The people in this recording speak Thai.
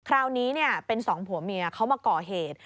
คราวนี้เป็นสองผัวเมียเขามาก่อเหตุ